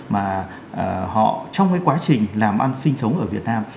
và có rất là nhiều những cái đối tượng mà họ trong cái quá trình làm ăn sinh sống ở việt nam